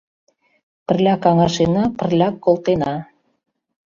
Пырля каҥашена, пырляк колтена.